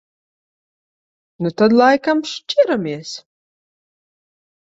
Nu tad laikam šķiramies.